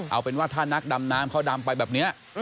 เอาเป็นว่าถ้านักดำน้ำเขาดำไปแบบนี้